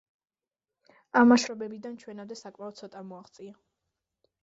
ამ ნაშრომებიდან ჩვენამდე საკმაოდ ცოტამ მოაღწია.